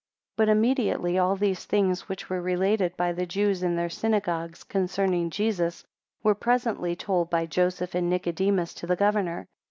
12 But immediately all these things which were related by the Jews in their synagogues concerning Jesus, were presently told by Joseph and Nicodemus to the governor.